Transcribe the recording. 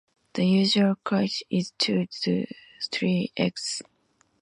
The usual clutch is two to three eggs.